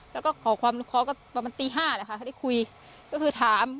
แล้วก็ขอความก็ประมาณตีห้าแหละค่ะได้คุยก็คือถาม